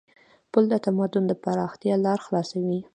پل د تمدن د پراختیا لار خلاصوي.